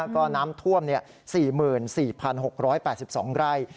ก็น้ำท่วม๔๔๖๘๒ไร่